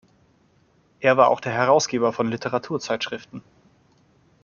Er war auch Herausgeber von Literaturzeitschriften.